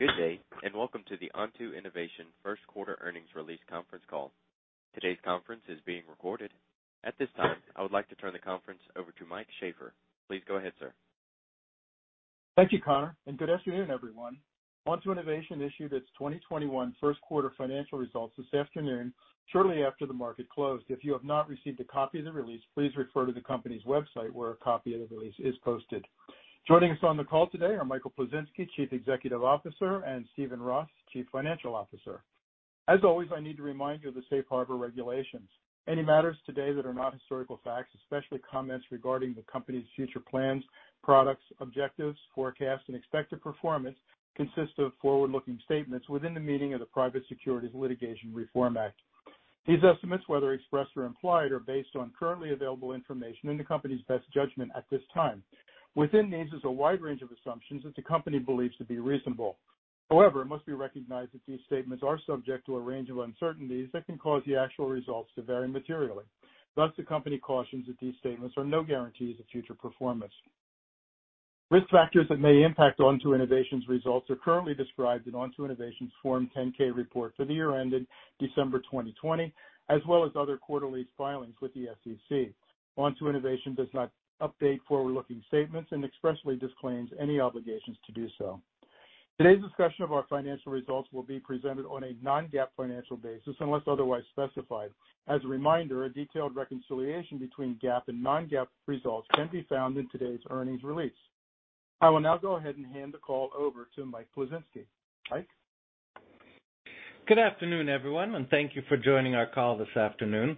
Good day, and welcome to the Onto Innovation first quarter earnings release conference call. Today's conference is being recorded. At this time, I would like to turn the conference over to Mike Sheaffer. Please go ahead, sir. Thank you, Connor, and good afternoon, everyone. Onto Innovation issued its 2021 first quarter financial results this afternoon shortly after the market closed. If you have not received a copy of the release, please refer to the company's website where a copy of the release is posted. Joining us on the call today are Michael Plisinski, Chief Executive Officer, and Steven Roth, Chief Financial Officer. As always, I need to remind you of the safe harbor regulations. Any matters today that are not historical facts, especially comments regarding the company's future plans, products, objectives, forecasts, and expected performance consist of forward-looking statements within the meaning of the Private Securities Litigation Reform Act. These estimates, whether expressed or implied, are based on currently available information and the company's best judgment at this time. Within these is a wide range of assumptions that the company believes to be reasonable. However, it must be recognized that these statements are subject to a range of uncertainties that can cause the actual results to vary materially. The company cautions that these statements are no guarantees of future performance. Risk factors that may impact Onto Innovation's results are currently described in Onto Innovation's Form 10-K report for the year ended December 2020, as well as other quarterly filings with the SEC. Onto Innovation does not update forward-looking statements and expressly disclaims any obligations to do so. Today's discussion of our financial results will be presented on a non-GAAP financial basis, unless otherwise specified. As a reminder, a detailed reconciliation between GAAP and non-GAAP results can be found in today's earnings release. I will now go ahead and hand the call over to Mike Plisinski. Mike? Good afternoon, everyone, and thank you for joining our call this afternoon.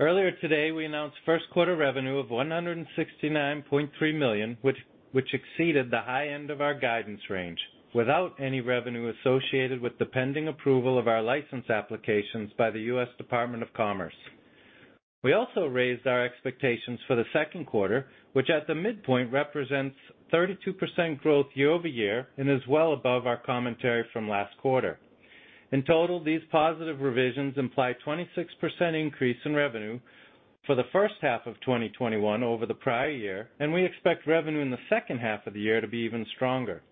Earlier today, we announced first quarter revenue of $169.3 million, which exceeded the high end of our guidance range without any revenue associated with the pending approval of our license applications by the U.S. Department of Commerce. We also raised our expectations for the second quarter, which at the midpoint represents 32% growth year-over-year and is well above our commentary from last quarter. In total, these positive revisions imply 26% increase in revenue for the first half of 2021 over the prior year, and we expect revenue in the second half of the year to be even stronger.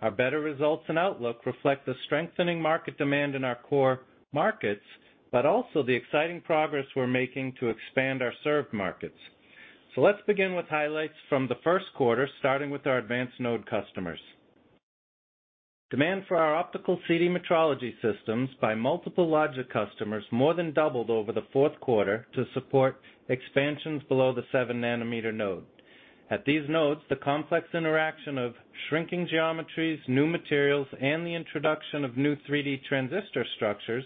Our better results and outlook reflect the strengthening market demand in our core markets, but also the exciting progress we're making to expand our served markets. Let's begin with highlights from the first quarter, starting with our advanced node customers. Demand for our optical CD metrology systems by multiple logic customers more than doubled over the fourth quarter to support expansions below the 7 nm node. At these nodes, the complex interaction of shrinking geometries, new materials, and the introduction of new 3D transistor structures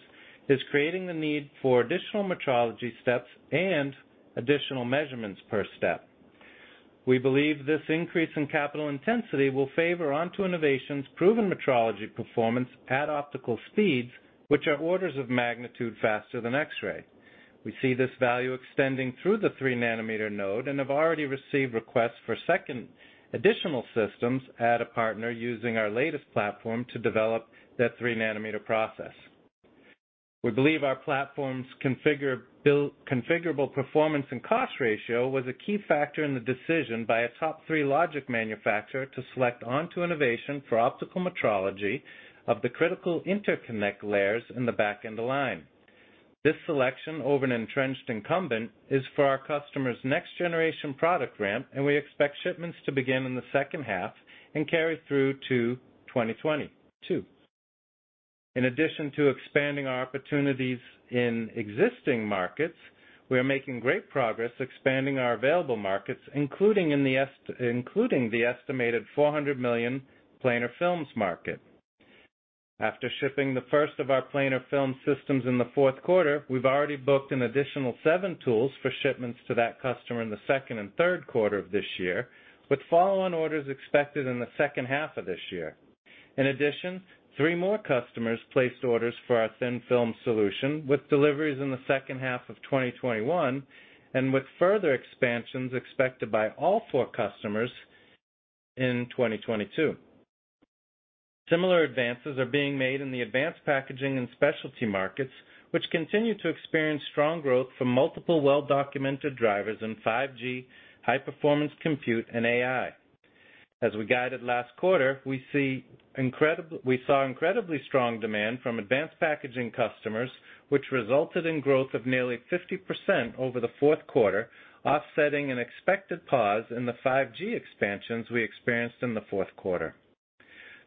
is creating the need for additional metrology steps and additional measurements per step. We believe this increase in capital intensity will favor Onto Innovation's proven metrology performance at optical speeds, which are orders of magnitude faster than X-ray. We see this value extending through the 3 nm node and have already received requests for second additional systems at a partner using our latest platform to develop their 3 nm process. We believe our platform's configurable performance and cost ratio was a key factor in the decision by a top three logic manufacturer to select Onto Innovation for optical metrology of the critical interconnect layers in the back end of line. This selection over an entrenched incumbent is for our customer's next generation product ramp, and we expect shipments to begin in the second half and carry through to 2022. In addition to expanding our opportunities in existing markets, we are making great progress expanding our available markets, including the estimated $400 million planar films market. After shipping the first of our planar film systems in the fourth quarter, we've already booked an additional seven tools for shipments to that customer in the second and third quarter of this year, with follow-on orders expected in the second half of this year. In addition, three more customers placed orders for our thin-film solution, with deliveries in the second half of 2021, and with further expansions expected by all four customers in 2022. Similar advances are being made in the advanced packaging and specialty markets, which continue to experience strong growth from multiple well-documented drivers in 5G, high-performance compute, and AI. As we guided last quarter, we saw incredibly strong demand from advanced packaging customers, which resulted in growth of nearly 50% over the fourth quarter, offsetting an expected pause in the 5G expansions we experienced in the fourth quarter.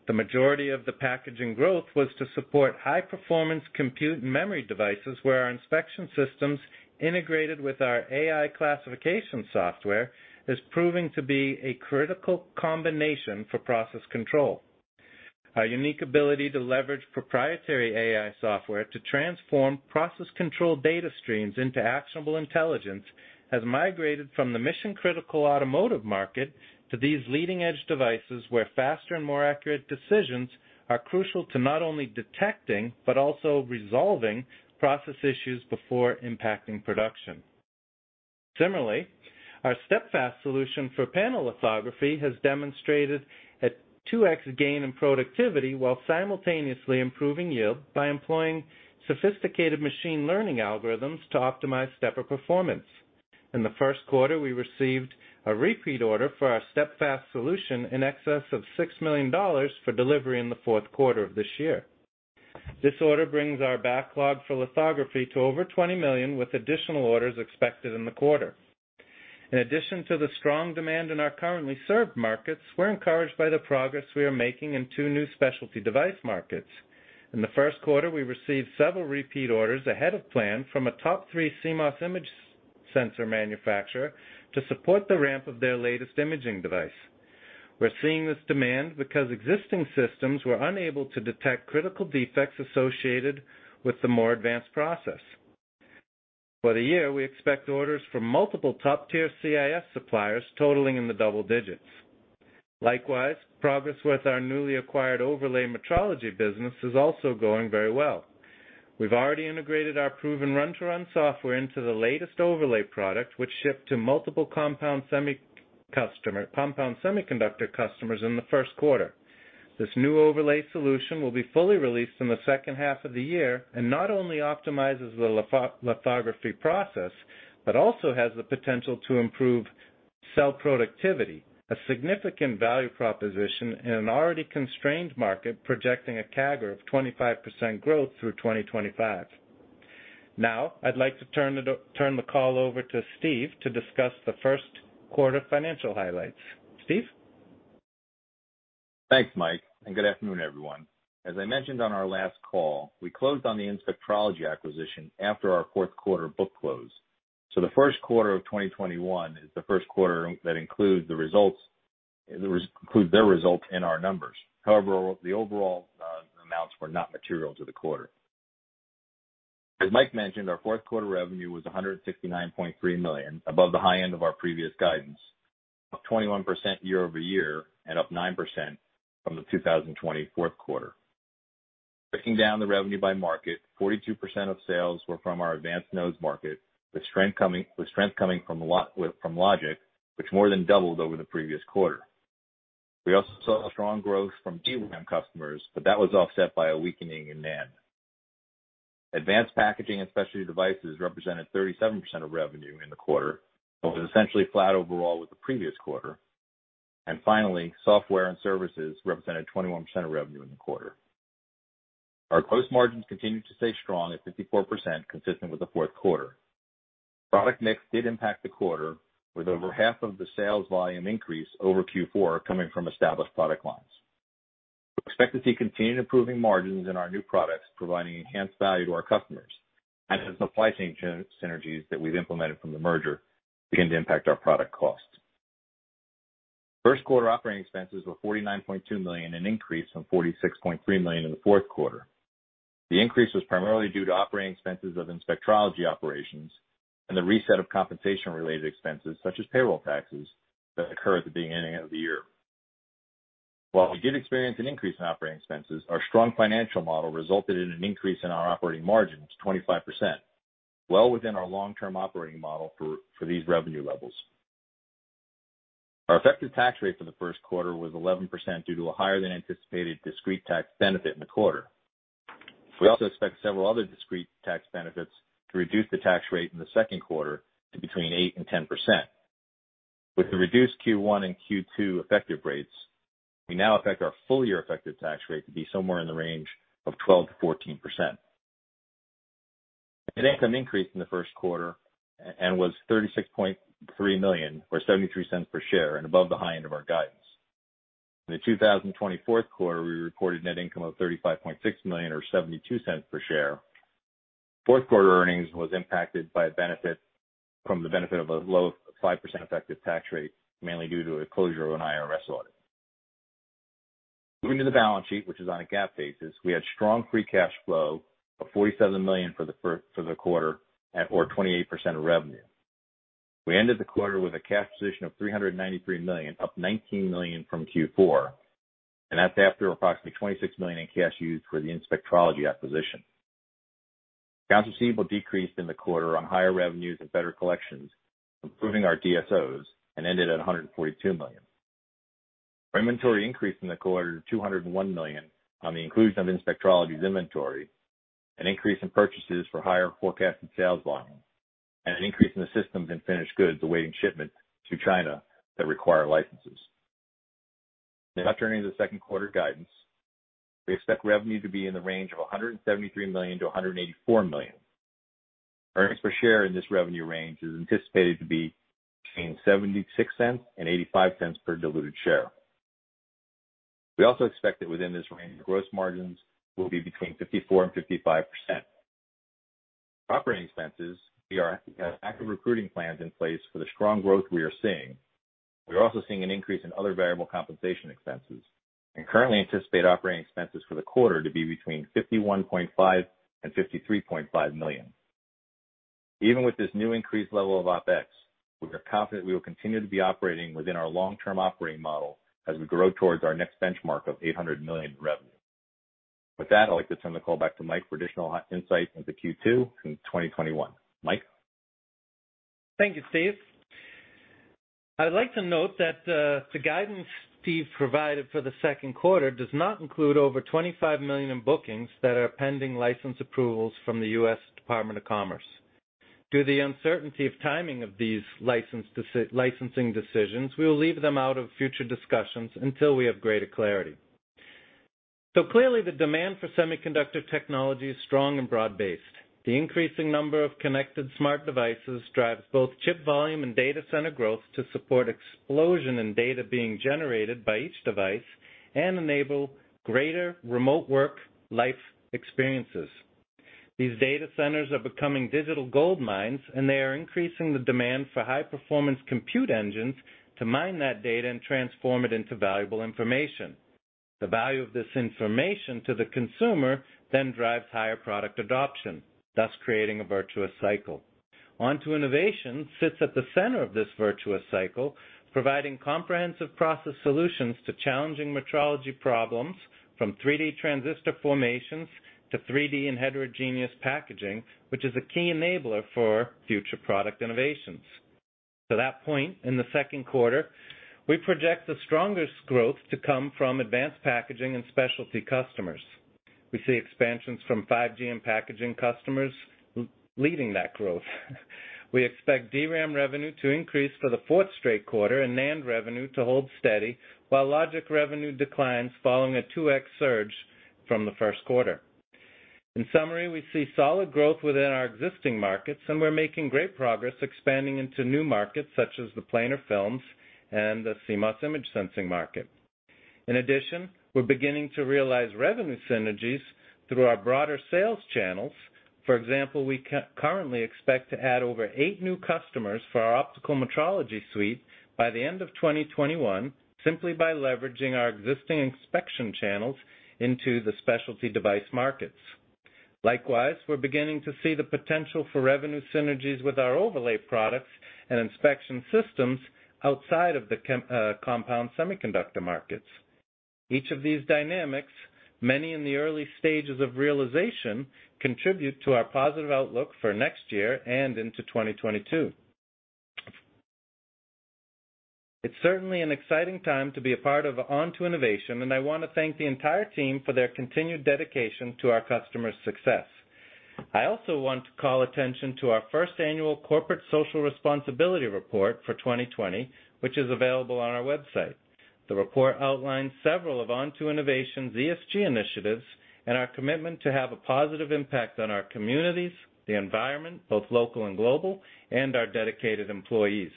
The majority of the packaging growth was to support high-performance compute and memory devices where our inspection systems integrated with our AI classification software is proving to be a critical combination for process control. Our unique ability to leverage proprietary AI software to transform process control data streams into actionable intelligence has migrated from the mission-critical automotive market to these leading-edge devices, where faster and more accurate decisions are crucial to not only detecting but also resolving process issues before impacting production. Similarly, our StepFAST solution for panel lithography has demonstrated a 2X gain in productivity while simultaneously improving yield by employing sophisticated machine learning algorithms to optimize stepper performance. In the first quarter, we received a repeat order for our StepFAST solution in excess of $6 million for delivery in the fourth quarter of this year. This order brings our backlog for lithography to over $20 million with additional orders expected in the quarter. In addition to the strong demand in our currently served markets, we are encouraged by the progress we are making in two new specialty device markets. In the first quarter, we received several repeat orders ahead of plan from a top-3 CMOS image sensor manufacturer to support the ramp of their latest imaging device. We're seeing this demand because existing systems were unable to detect critical defects associated with the more advanced process. For the year, we expect orders from multiple top-tier CIS suppliers totaling in the double digits. Likewise, progress with our newly acquired overlay metrology business is also going very well. We've already integrated our proven run-to-run software into the latest overlay product, which shipped to multiple compound semiconductor customers in the first quarter. This new overlay solution will be fully released in the second half of the year, and not only optimizes the lithography process, but also has the potential to improve cell productivity, a significant value proposition in an already constrained market, projecting a CAGR of 25% growth through 2025. I'd like to turn the call over to Steve to discuss the first quarter financial highlights. Steve? Thanks, Mike, good afternoon, everyone. As I mentioned on our last call, we closed on the Inspectrology acquisition after our fourth quarter book close. The first quarter of 2021 is the first quarter that includes their results in our numbers. However, the overall amounts were not material to the quarter. As Mike mentioned, our fourth quarter revenue was $169.3 million, above the high end of our previous guidance, up 21% year-over-year and up 9% from the 2020 fourth quarter. Breaking down the revenue by market, 42% of sales were from our advanced nodes market, with strength coming from logic, which more than doubled over the previous quarter. We also saw strong growth from DRAM customers, but that was offset by a weakening in NAND. Advanced packaging and specialty devices represented 37% of revenue in the quarter, but was essentially flat overall with the previous quarter. Finally, software and services represented 21% of revenue in the quarter. Our gross margins continued to stay strong at 54%, consistent with the fourth quarter. Product mix did impact the quarter, with over half of the sales volume increase over Q4 coming from established product lines. We expect to see continued improving margins in our new products, providing enhanced value to our customers, and as supply chain synergies that we've implemented from the merger begin to impact our product costs. First quarter operating expenses were $49.2 million, an increase from $46.3 million in the fourth quarter. The increase was primarily due to operating expenses of Inspectrology operations and the reset of compensation-related expenses such as payroll taxes that occur at the beginning of the year. While we did experience an increase in operating expenses, our strong financial model resulted in an increase in our operating margin to 25%, well within our long-term operating model for these revenue levels. Our effective tax rate for the first quarter was 11% due to a higher-than-anticipated discrete tax benefit in the quarter. We also expect several other discrete tax benefits to reduce the tax rate in the second quarter to between 8% and 10%. With the reduced Q1 and Q2 effective rates, we now expect our full-year effective tax rate to be somewhere in the range of 12%-14%. Net income increased in the first quarter and was $36.3 million, or $0.73 per share, and above the high end of our guidance. In the 2020 fourth quarter, we reported net income of $35.6 million, or $0.72 per share. Fourth quarter earnings was impacted by a benefit of a low 5% effective tax rate, mainly due to a closure of an IRS audit. Moving to the balance sheet, which is on a GAAP basis, we had strong free cash flow of $47 million for the quarter or 28% of revenue. We ended the quarter with a cash position of $393 million, up $19 million from Q4, that's after approximately $26 million in cash used for the Inspectrology acquisition. Accounts receivable decreased in the quarter on higher revenues and better collections, improving our DSOs, ended at $142 million. Our inventory increased in the quarter to $201 million on the inclusion of Inspectrology's inventory, an increase in purchases for higher forecasted sales volume, and an increase in the systems and finished goods awaiting shipment to China that require licenses. Now turning to the second quarter guidance. We expect revenue to be in the range of $173 million-$184 million. Earnings per share in this revenue range is anticipated to be between $0.76 and $0.85 per diluted share. We also expect that within this range, gross margins will be between 54% and 55%. Operating expenses, we have active recruiting plans in place for the strong growth we are seeing. We are also seeing an increase in other variable compensation expenses and currently anticipate operating expenses for the quarter to be between $51.5 million and $53.5 million. Even with this new increased level of OpEx, we are confident we will continue to be operating within our long-term operating model as we grow towards our next benchmark of $800 million in revenue. With that, I'd like to turn the call back to Mike for additional insight into Q2 in 2021. Mike? Thank you, Steve. I'd like to note that the guidance Steve provided for the second quarter does not include over $25 million in bookings that are pending license approvals from the U.S. Department of Commerce. Due to the uncertainty of timing of these licensing decisions, we will leave them out of future discussions until we have greater clarity. Clearly the demand for semiconductor technology is strong and broad-based. The increasing number of connected smart devices drives both chip volume and data center growth to support explosion in data being generated by each device, and enable greater remote work-life experiences. These data centers are becoming digital goldmines. They are increasing the demand for high-performance compute engines to mine that data and transform it into valuable information. The value of this information to the consumer drives higher product adoption, thus creating a virtuous cycle. Onto Innovation sits at the center of this virtuous cycle, providing comprehensive process solutions to challenging metrology problems from 3D transistor formations to 3D and heterogeneous packaging, which is a key enabler for future product innovations. To that point, in the second quarter, we project the strongest growth to come from advanced packaging and specialty customers. We see expansions from 5G and packaging customers leading that growth. We expect DRAM revenue to increase for the fourth straight quarter and NAND revenue to hold steady, while logic revenue declines following a 2X surge from the first quarter. In summary, we see solid growth within our existing markets, and we're making great progress expanding into new markets such as the planar films and the CMOS image sensing market. In addition, we're beginning to realize revenue synergies through our broader sales channels. For example, we currently expect to add over eight new customers for our optical metrology suite by the end of 2021, simply by leveraging our existing inspection channels into the specialty device markets. Likewise, we're beginning to see the potential for revenue synergies with our overlay products and inspection systems outside of the compound semiconductor markets. Each of these dynamics, many in the early stages of realization, contribute to our positive outlook for next year and into 2022. It's certainly an exciting time to be a part of Onto Innovation, and I want to thank the entire team for their continued dedication to our customers' success. I also want to call attention to our first annual corporate social responsibility report for 2020, which is available on our website. The report outlines several of Onto Innovation's ESG initiatives and our commitment to have a positive impact on our communities, the environment, both local and global, and our dedicated employees.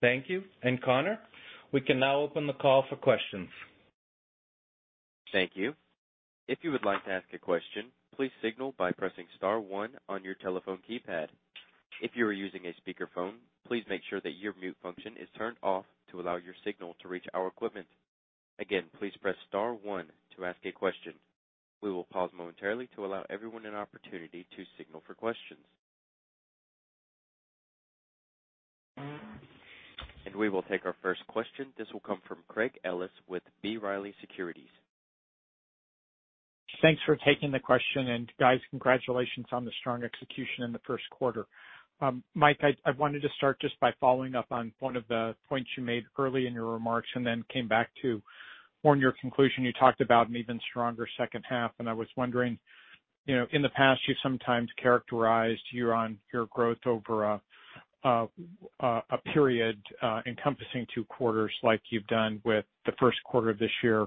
Thank you. Connor, we can now open the call for questions. Thank you. If you would like to ask a question, please signal by pressing star one on your telephone keypad. If you are using a speakerphone, please make sure that your mute function is turned off to allow your signal to reach our equipment. Again, please press star one to ask a question. We will pause momentarily to allow everyone an opportunity to signal for questions. We will take our first question. This will come from Craig Ellis with B. Riley Securities. Thanks for taking the question. Guys, congratulations on the strong execution in the first quarter. Mike, I wanted to start just by following up on one of the points you made early in your remarks and then came back to toward your conclusion. You talked about an even stronger second half, and I was wondering, in the past, you've sometimes characterized year-on-year growth over a period encompassing two quarters like you've done with the first quarter of this year.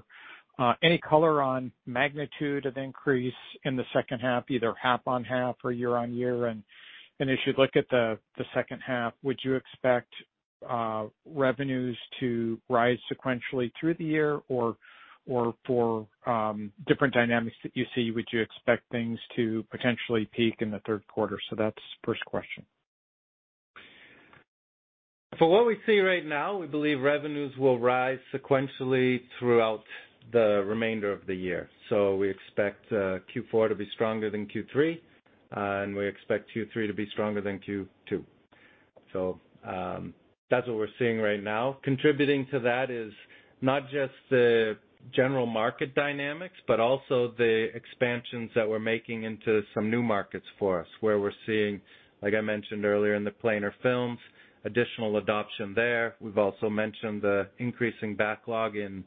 Any color on magnitude of increase in the second half, either half-on-half or year-on-year? As you look at the second half, would you expect revenues to rise sequentially through the year? Or for different dynamics that you see, would you expect things to potentially peak in the third quarter? That's the first question. For what we see right now, we believe revenues will rise sequentially throughout the remainder of the year. We expect Q4 to be stronger than Q3, and we expect Q3 to be stronger than Q2. That's what we're seeing right now. Contributing to that is not just the general market dynamics, but also the expansions that we're making into some new markets for us, where we're seeing, like I mentioned earlier, in the planar films, additional adoption there. We've also mentioned the increasing backlog in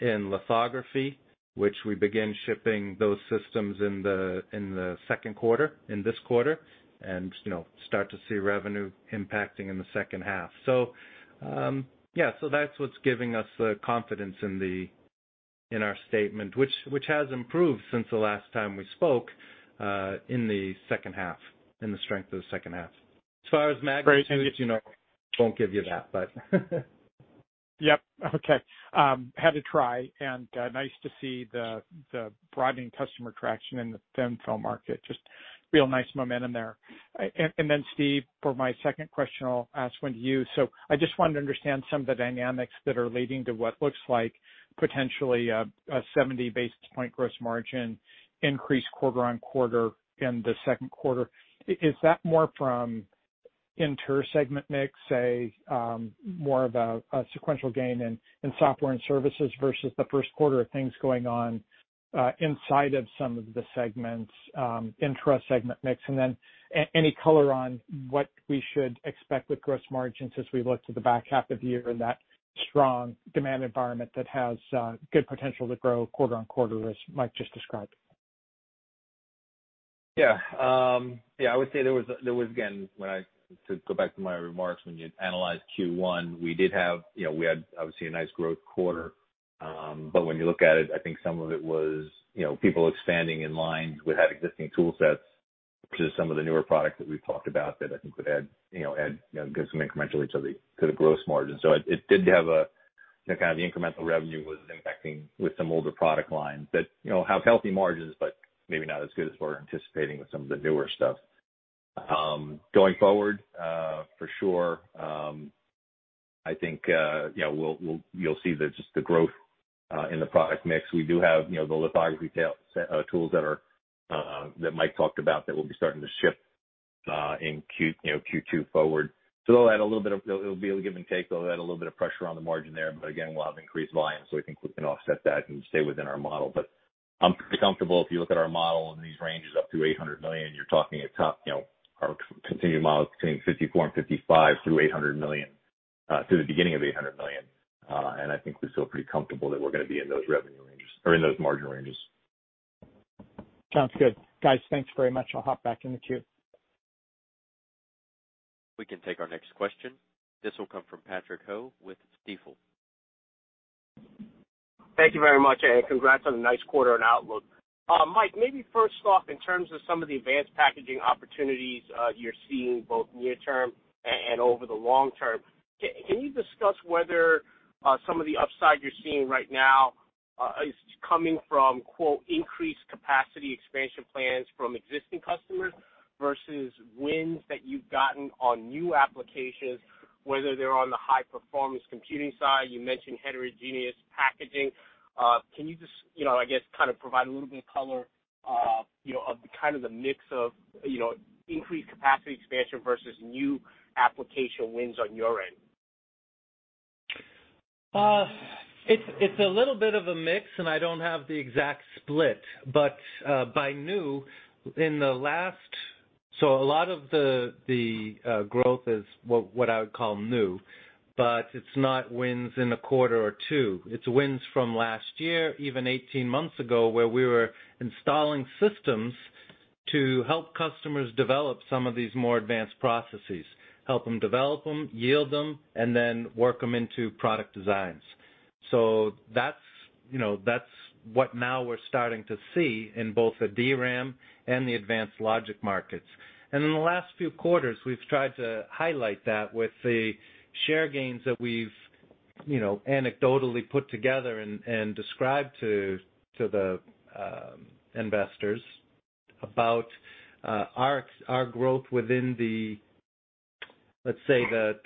lithography, which we begin shipping those systems in the second quarter, in this quarter, and start to see revenue impacting in the second half. Yeah. That's what's giving us the confidence in our statement, which has improved since the last time we spoke, in the second half, in the strength of the second half. As far as magnitude- Great. I won't give you that, but. Yep. Okay. Had to try. Nice to see the broadening customer traction in the thin film market. Just real nice momentum there. Steve, for my second question, I'll ask one to you. I just wanted to understand some of the dynamics that are leading to what looks like potentially a 70 basis point gross margin increase quarter-on-quarter in the second quarter. Is that more from inter-segment mix, say, more of a sequential gain in software and services versus the first quarter of things going on inside of some of the segments, intra-segment mix? Any color on what we should expect with gross margins as we look to the back half of the year in that strong demand environment that has good potential to grow quarter-on-quarter, as Mike just described. Yeah. I would say there was, again, to go back to my remarks, when you analyze Q1, we had, obviously, a nice growth quarter. When you look at it, I think some of it was people expanding in lines with having existing tool sets to some of the newer products that we've talked about that I think would give some incremental reach to the gross margin. It did have a kind of incremental revenue was impacting with some older product lines that have healthy margins, but maybe not as good as we're anticipating with some of the newer stuff. Going forward, for sure, I think you'll see just the growth in the product mix. We do have the lithography tools that Mike talked about that will be starting to ship in Q2 forward. It'll be a give and take. They'll add a little bit of pressure on the margin there, again, we'll have increased volume, so we can quickly offset that and stay within our model. I'm pretty comfortable if you look at our model and these ranges up to $800 million, you're talking at top, our continued model is between 54% and 55% through to the beginning of $800 million. I think we feel pretty comfortable that we're going to be in those margin ranges. Sounds good. Guys, thanks very much. I'll hop back in the queue. We can take our next question. This will come from Patrick Ho with Stifel. Thank you very much. Congrats on a nice quarter and outlook. Mike, maybe first off, in terms of some of the advanced packaging opportunities you're seeing both near term and over the long term, can you discuss whether some of the upside you're seeing right now is coming from, quote, "increased capacity expansion plans from existing customers" versus wins that you've gotten on new applications, whether they're on the high-performance computing side, you mentioned heterogeneous packaging. Can you just provide a little bit of color of the kind of the mix of increased capacity expansion versus new application wins on your end? It's a little bit of a mix, and I don't have the exact split. By new, a lot of the growth is what I would call new, but it's not wins in a quarter or two. It's wins from last year, even 18 months ago, where we were installing systems to help customers develop some of these more advanced processes, help them develop them, yield them, and then work them into product designs. That's what now we're starting to see in both the DRAM and the advanced logic markets. In the last few quarters, we've tried to highlight that with the share gains that we've anecdotally put together and described to the investors about our growth within the, let's say, the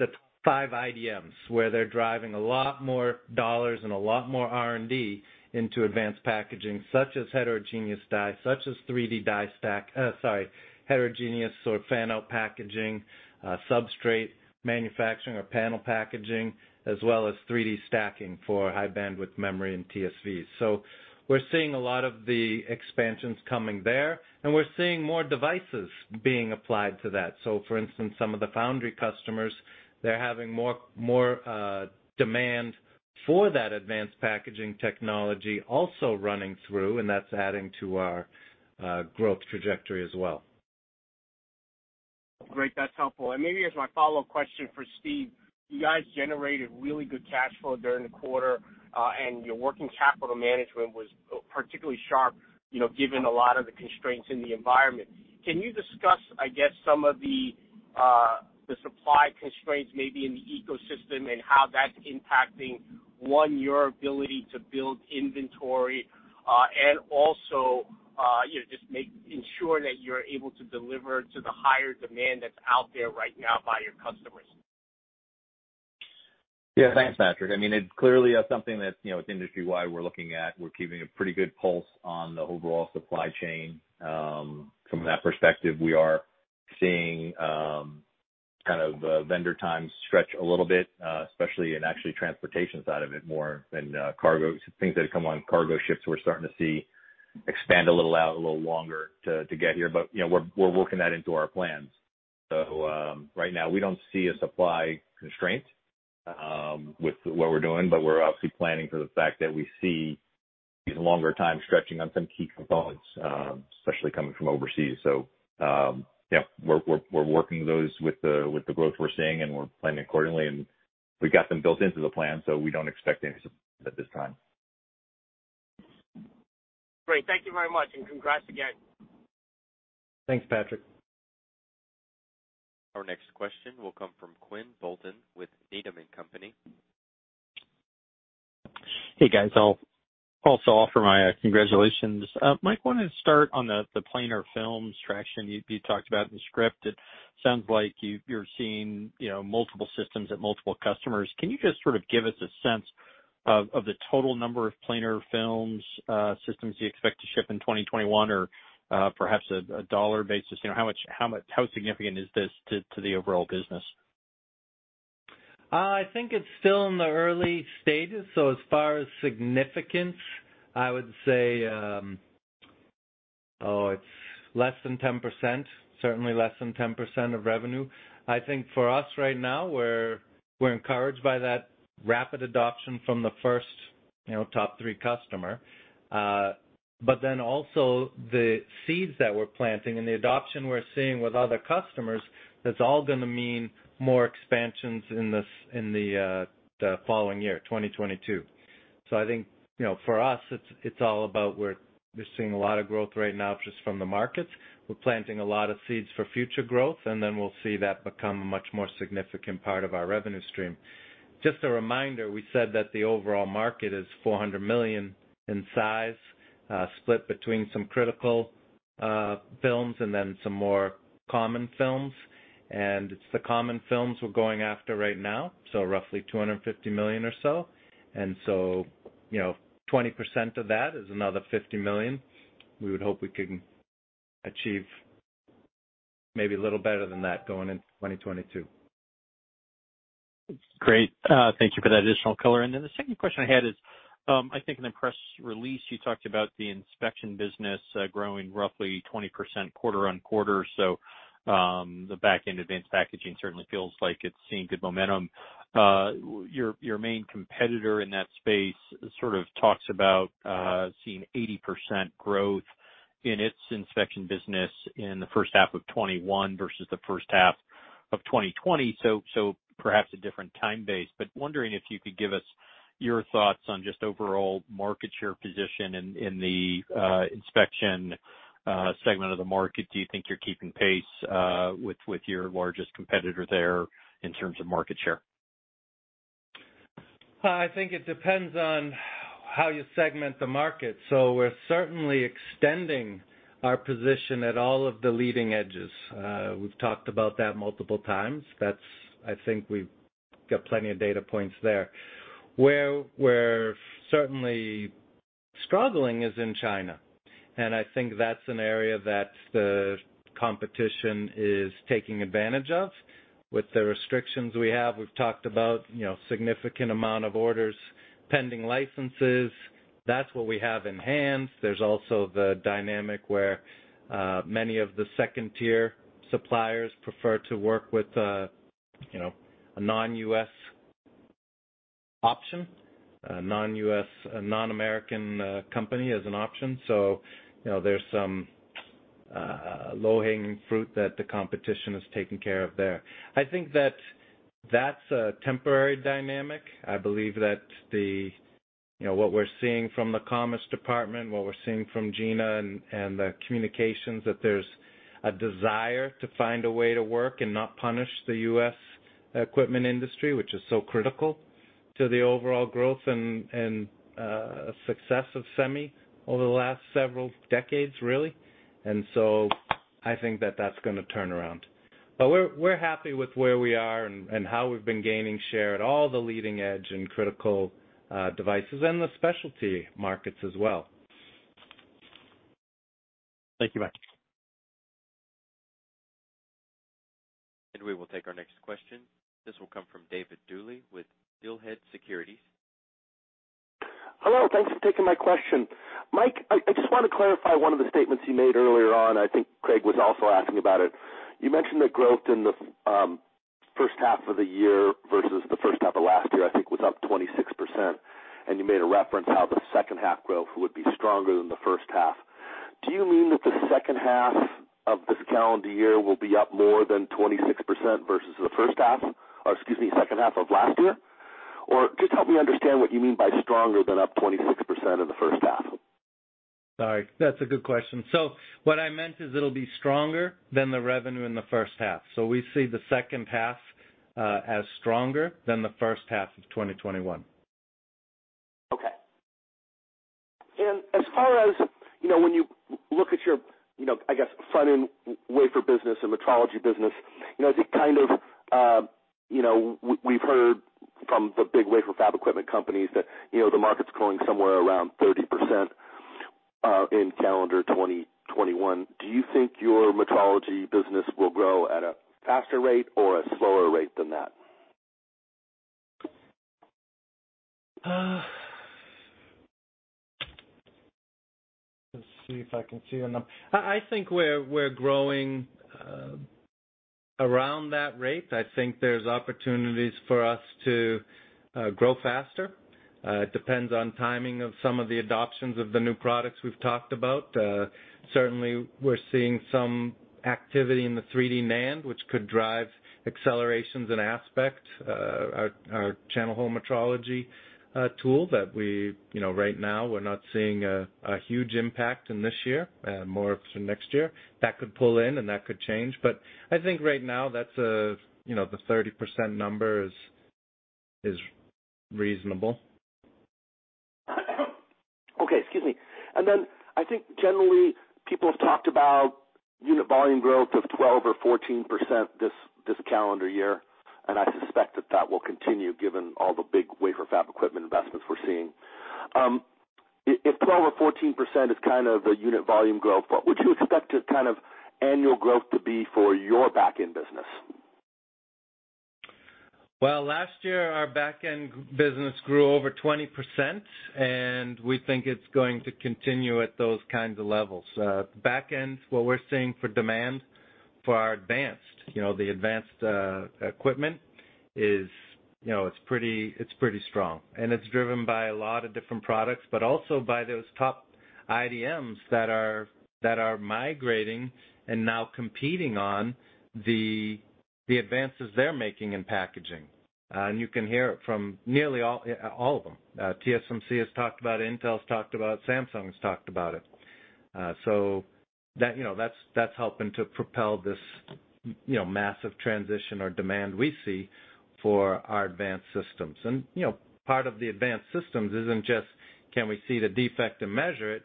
5 IDM, where they're driving a lot more dollars and a lot more R&D into advanced packaging, such as heterogeneous die, such as 3D die stacking. Sorry, heterogeneous or fan-out packaging, substrate manufacturing or panel packaging, as well as 3D stacking for high-bandwidth memory and TSV. We're seeing a lot of the expansions coming there, and we're seeing more devices being applied to that. For instance, some of the foundry customers, they're having more demand for that advanced packaging technology also running through, and that's adding to our growth trajectory as well. Great. That's helpful. Maybe as my follow-up question for Steve, you guys generated really good cash flow during the quarter, and your working capital management was particularly sharp, given a lot of the constraints in the environment. Can you discuss some of the supply constraints, maybe in the ecosystem, and how that's impacting, one, your ability to build inventory, and also, just ensure that you're able to deliver to the higher demand that's out there right now by your customers? Thanks, Patrick. It clearly is something that, industry-wide, we're looking at. We're keeping a pretty good pulse on the overall supply chain. From that perspective, we are seeing kind of vendor times stretch a little bit, especially in actually transportation side of it, more than cargo. Things that come on cargo ships, we're starting to see expand a little out, a little longer to get here. We're working that into our plans. Right now, we don't see a supply constraint with what we're doing, but we're obviously planning for the fact that we see these longer time stretching on some key components, especially coming from overseas. Yeah, we're working those with the growth we're seeing, and we're planning accordingly, and we got them built into the plan, so we don't expect any surprises at this time. Great. Thank you very much. Congrats again. Thanks, Patrick. Our next question will come from Quinn Bolton with Needham & Company. Hey, guys. I'll also offer my congratulations. Mike, why don't I start on the planar films traction you talked about in the script. It sounds like you're seeing multiple systems at multiple customers. Can you just sort of give us a sense of the total number of planar films systems you expect to ship in 2021, or perhaps a dollar basis? How significant is this to the overall business? I think it's still in the early stages. As far as significance, I would say it's less than 10%, certainly less than 10% of revenue. I think for us right now, we're encouraged by that rapid adoption from the first top 3 customer. Also the seeds that we're planting and the adoption we're seeing with other customers, that's all going to mean more expansions in the following year, 2022. I think, for us, it's all about we're seeing a lot of growth right now just from the markets. We're planting a lot of seeds for future growth, we'll see that become a much more significant part of our revenue stream. Just a reminder, we said that the overall market is $400 million in size, split between some critical films, some more common films. It's the common films we're going after right now, so roughly $250 million or so. 20% of that is another $50 million. We would hope we can achieve maybe a little better than that going into 2022. Great. Thank you for that additional color. The second question I had is, I think in the press release, you talked about the inspection business growing roughly 20% quarter on quarter. The back-end advanced packaging certainly feels like it's seeing good momentum. Your main competitor in that space sort of talks about seeing 80% growth in its inspection business in the first half of 2021 versus the first half of 2020. Perhaps a different time base, but wondering if you could give us your thoughts on just overall market share position in the inspection segment of the market. Do you think you're keeping pace with your largest competitor there in terms of market share? I think it depends on how you segment the market. We're certainly extending our position at all of the leading edges. We've talked about that multiple times. I think we've got plenty of data points there. Where we're certainly struggling is in China, and I think that's an area that the competition is taking advantage of. With the restrictions we have, we've talked about significant amount of orders pending licenses. That's what we have in hand. There's also the dynamic where many of the second-tier suppliers prefer to work with a non-U.S. option, a non-American company as an option. There's some low-hanging fruit that the competition has taken care of there. I think that's a temporary dynamic. I believe that what we're seeing from the Commerce Department, what we're seeing from Gina and the communications, that there's a desire to find a way to work and not punish the U.S. equipment industry, which is so critical to the overall growth and success of semi over the last several decades, really. I think that that's going to turn around. We're happy with where we are and how we've been gaining share at all the leading edge and critical devices and the specialty markets as well. Thank you, Mike. We will take our next question. This will come from David Duley with Steelhead Securities. Hello, thanks for taking my question. Mike, I just want to clarify one of the statements you made earlier on. I think Craig was also asking about it. You mentioned the growth in the first half of the year versus the first half of last year, I think, was up 26%. You made a reference how the second half growth would be stronger than the first half. Do you mean that the second half of this calendar year will be up more than 26% versus the first half, or excuse me, second half of last year? Just help me understand what you mean by stronger than up 26% in the first half. Sorry, that's a good question. What I meant is it'll be stronger than the revenue in the first half. We see the second half as stronger than the first half of 2021. Okay. As far as when you look at your, I guess, front-end wafer business and metrology business, I think we've heard from the big wafer fab equipment companies that the market's growing somewhere around 30% in calendar 2021. Do you think your metrology business will grow at a faster rate or a slower rate than that? I think we're growing around that rate. I think there's opportunities for us to grow faster. It depends on timing of some of the adoptions of the new products we've talked about. Certainly, we're seeing some activity in the 3D NAND, which could drive accelerations in Aspect. Our channel hole metrology tool that right now we're not seeing a huge impact in this year, more for next year. That could pull in and that could change. I think right now the 30% number is reasonable. Okay. Excuse me. I think generally people have talked about unit volume growth of 12% or 14% this calendar year, and I suspect that that will continue given all the big wafer fab equipment investments we're seeing. If 12% or 14% is kind of the unit volume growth, what would you expect kind of annual growth to be for your back-end business? Well, last year, our back-end business grew over 20%, and we think it's going to continue at those kinds of levels. Back ends, what we're seeing for demand for the advanced equipment, it's pretty strong. It's driven by a lot of different products, but also by those top IDM that are migrating and now competing on the advances they're making in packaging. You can hear it from nearly all of them. TSMC has talked about it, Intel's talked about it, Samsung's talked about it. That's helping to propel this massive transition or demand we see for our advanced systems. Part of the advanced systems isn't just can we see the defect and measure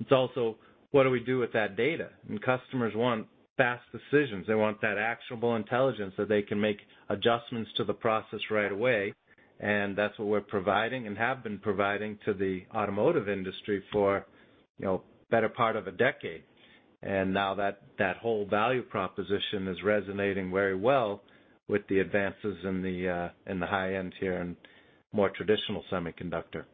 it's also what do we do with that data? Customers want fast decisions. They want that actionable intelligence so they can make adjustments to the process right away, and that's what we're providing and have been providing to the automotive industry for the better part of a decade. Now that whole value proposition is resonating very well with the advances in the high end here and more traditional semiconductor.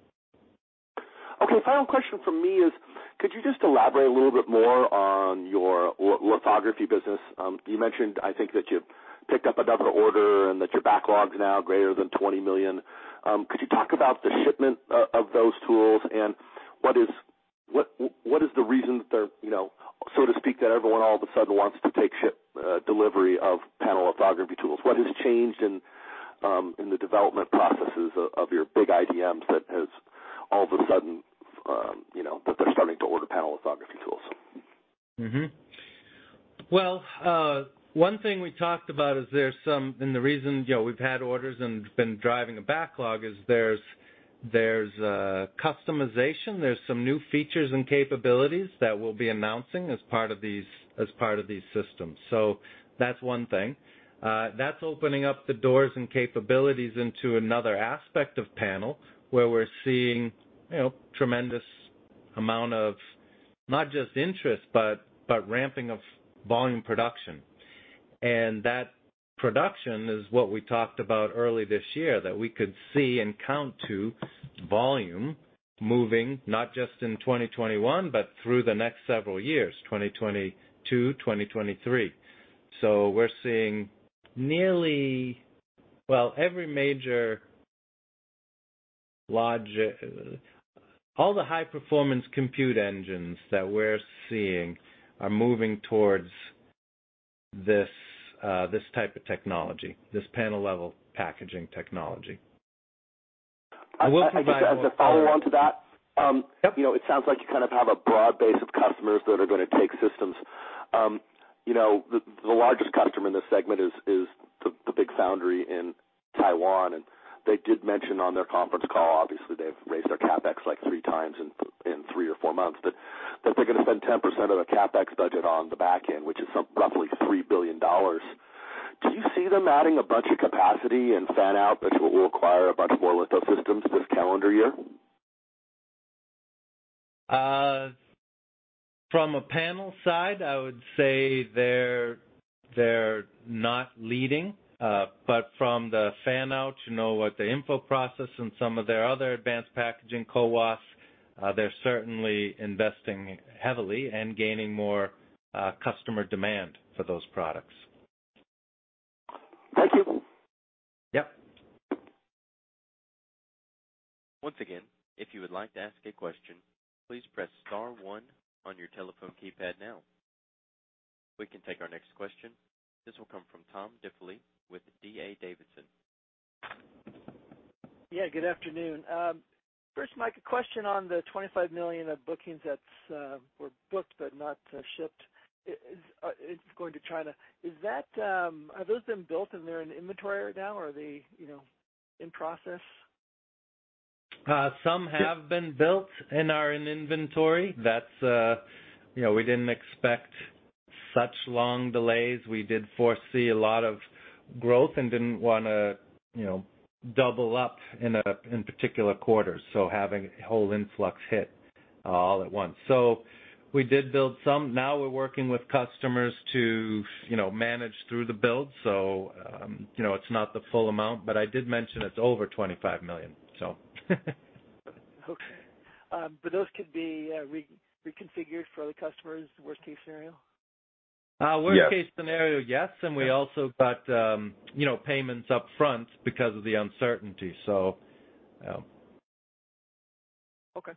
Okay. Final question from me is, could you just elaborate a little bit more on your lithography business? You mentioned, I think, that you've picked up another order and that your backlog's now greater than $20 million. Could you talk about the shipment of those tools and what is the reason that they're, so to speak, that everyone all of a sudden wants to take delivery of panel lithography tools? What has changed in the development processes of your big IDM that has all of a sudden, that they're starting to order panel lithography tools? Well, one thing we talked about is, and the reason we've had orders and been driving a backlog is there's customization, there's some new features and capabilities that we'll be announcing as part of these systems. That's one thing. That's opening up the doors and capabilities into another aspect of panel, where we're seeing tremendous amount of not just interest, but ramping of volume production. That production is what we talked about early this year, that we could see and count to volume moving, not just in 2021, but through the next several years, 2022, 2023. We're seeing all the high-performance compute engines that we're seeing are moving towards this type of technology, this panel-level packaging technology. I guess as a follow-on to that. Yep. It sounds like you kind of have a broad base of customers that are going to take systems. The largest customer in this segment is the big foundry in Taiwan. They did mention on their conference call, obviously, they've raised their CapEx like three times in three or four months. They're going to spend 10% of their CapEx budget on the back end, which is roughly $3 billion. Do you see them adding a bunch of capacity and fan-out, which will require a bunch more litho systems this calendar year? From a panel side, I would say they're not leading. From the fan-out, what the InFO process and some of their other advanced packaging CoWoS, they're certainly investing heavily and gaining more customer demand for those products. Thank you. Yep. Once again, if you would like to ask a question, please press star one on your telephone keypad now. We can take our next question. This will come from Tom Diffely with D.A. Davidson. Yeah, good afternoon. First, Mike, a question on the $25 million of bookings that were booked but not shipped. It's going to China. Have those been built and they're in inventory right now, or are they in process? Some have been built and are in inventory. We didn't expect such long delays. We did foresee a lot of growth and didn't want to double up in particular quarters, so having a whole influx hit all at once. We did build some. Now we're working with customers to manage through the build, so it's not the full amount, but I did mention it's over $25 million. Okay. Those could be reconfigured for other customers, worst-case scenario? Worst-case scenario, yes. We also got payments up front because of the uncertainty, yeah. Okay.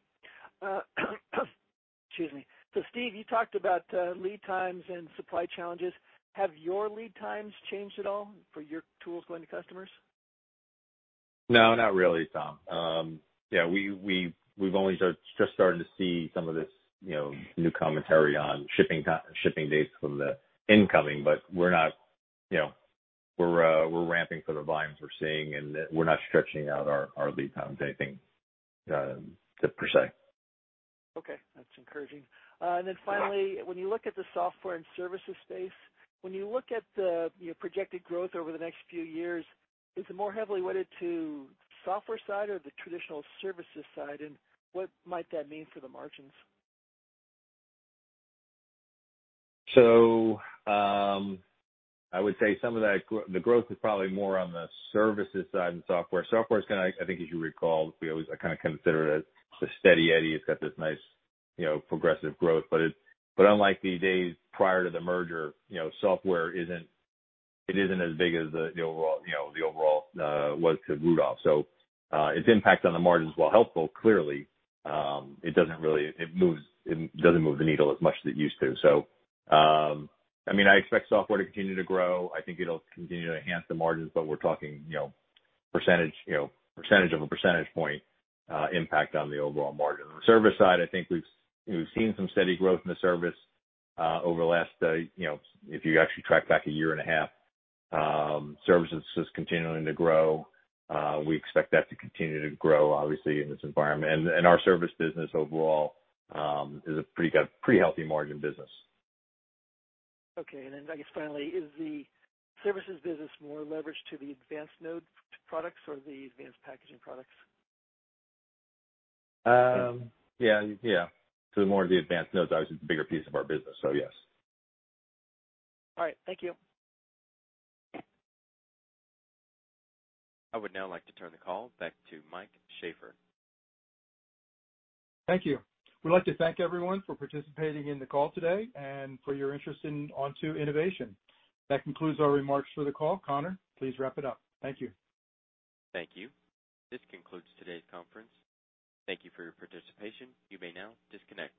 Excuse me. Steve, you talked about lead times and supply challenges. Have your lead times changed at all for your tools going to customers? No, not really, Tom. Yeah, we've only just started to see some of this new commentary on shipping dates from the incoming, but we're ramping for the volumes we're seeing, and we're not stretching out our lead times anything, per se. Okay. That's encouraging. Yeah. Finally, when you look at the software and services space, when you look at the projected growth over the next few years, is it more heavily weighted to software side or the traditional services side, and what might that mean for the margins? I would say some of the growth is probably more on the services side than software. Software is kind of, I think as you recall, we always kind of consider it as the steady eddy. It's got this nice progressive growth. Unlike the days prior to the merger, software, it isn't as big as the overall was to Rudolph. Its impact on the margins, while helpful, clearly, it doesn't move the needle as much as it used to. I expect software to continue to grow. I think it'll continue to enhance the margins, but we're talking percentage of a percentage point impact on the overall margin. On the service side, I think we've seen some steady growth in the service over the last, if you actually track back a year and a half. Services is continuing to grow. We expect that to continue to grow, obviously, in this environment. Our service business overall is a pretty healthy margin business. Okay. I guess finally, is the services business more leveraged to the advanced node products or the advanced packaging products? Yeah. More of the advanced nodes, obviously it's a bigger piece of our business, so yes. All right. Thank you. I would now like to turn the call back to Mike Sheaffer. Thank you. We'd like to thank everyone for participating in the call today and for your interest in Onto Innovation. That concludes our remarks for the call. Connor, please wrap it up. Thank you. Thank you. This concludes today's conference. Thank you for your participation. You may now disconnect.